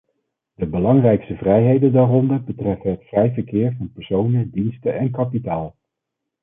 De belangrijkste vrijheden daaronder betreffen het vrij verkeer van personen, diensten en kapitaal.